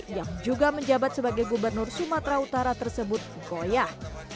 yang juga menjabat sebagai gubernur sumatera utara tersebut goyah